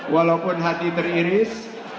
walaupun hati teriris